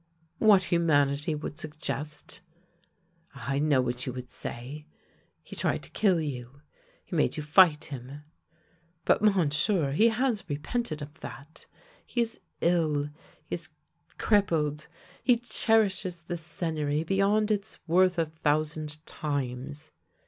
" What humanity would suggest. Ah, I know what you would say: he tried to kill you; he made you fight him. But, Monsieur, he has repented of that. He is ill, he is — crippled; he cherishes the Seigneury beyond 'its worth a thousand times."